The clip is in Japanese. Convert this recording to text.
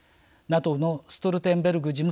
ＮＡＴＯのストルテンベルグ